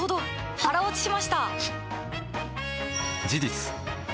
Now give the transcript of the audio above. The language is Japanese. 腹落ちしました！